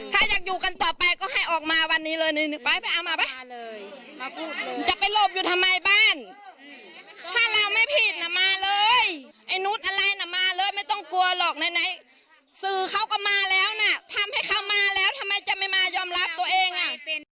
ถ้าอยากอยู่กันต่อไปก็ให้ออกมาวันนี้เลยไปเอามาป่ะมาพูดจะไปหลบอยู่ทำไมบ้านถ้าเราไม่ผิดน่ะมาเลยไอ้นุษย์อะไรน่ะมาเลยไม่ต้องกลัวหรอกไหนสื่อเขาก็มาแล้วนะทำให้เขามาแล้วทำไมจะไม่มายอมรับตัวเองอ่ะ